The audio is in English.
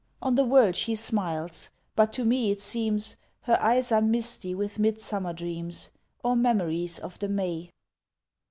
On the world she smiles but to me it seems Her eyes are misty with mid summer dreams, Or memories of the May.